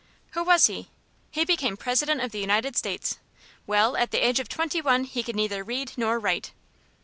"Who was he?" "He became President of the United States. Well, at the age of twenty one he could neither read nor write."